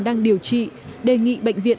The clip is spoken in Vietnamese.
đang điều trị đề nghị bệnh viện